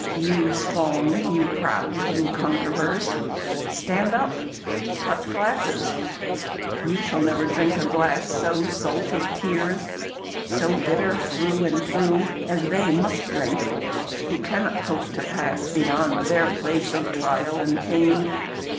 You strong, you proud, you conquerors — stand up! Touch glasses ! Tou shall never drink a glass So salt of tears, so bitter through and through. As they must drink, who cannot hope to pass Beyond their place of trial and of pain.